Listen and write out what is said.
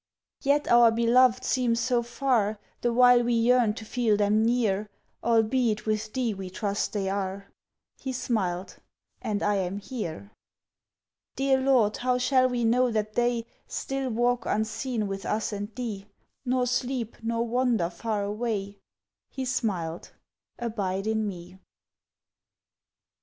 "Yet our beloved seem so far, The while we yearn to feel them near, Albeit with Thee we trust they are." He smiled: "And I am here!" "Dear Lord, how shall we know that they Still walk unseen with us and Thee, Nor sleep, nor wander far away?" He smiled: "Abide in Me."